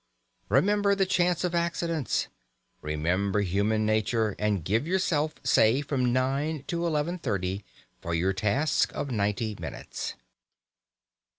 Remember the chance of accidents. Remember human nature. And give yourself, say, from 9 to 11.30 for your task of ninety minutes.